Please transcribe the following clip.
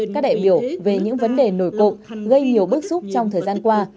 các đại biểu về những vấn đề nổi cộng gây nhiều bức xúc trong thời gian qua